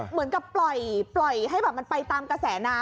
เหมือนกับปล่อยให้แบบมันไปตามกระแสน้ำ